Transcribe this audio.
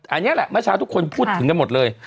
อันนี้แหละเมื่อเช้าทุกคนพูดถึงกันหมดเลย